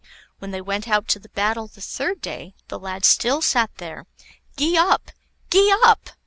When they went out to battle the third day, the lad still sat there. "Gee up! gee up!"